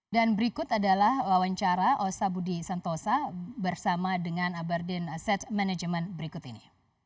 dan berikut adalah wawancara osa budi santosa bersama dengan aberdeen asset management berikut ini